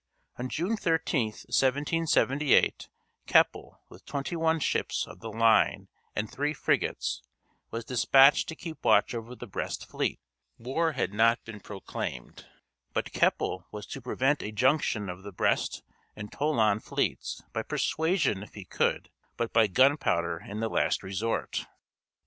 On June 13, 1778, Keppel, with twenty one ships of the line and three frigates, was despatched to keep watch over the Brest fleet, War had not been proclaimed, but Keppel was to prevent a junction of the Brest and Toulon fleets, by persuasion if he could, but by gunpowder in the last resort.